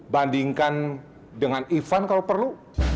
bandingkan dengan ivan kalau perlu